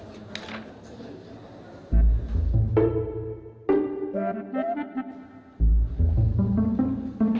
siapa juga yang disengkin lo